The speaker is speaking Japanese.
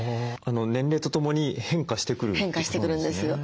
年齢とともに変化してくるってことなんですね。